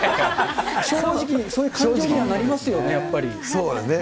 正直、そういう感情にはなりますそうですね。